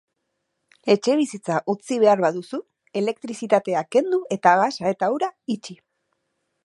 Etxebizitza utzi behar baduzu, elektrizitatea kendu eta gasa eta ura itxi.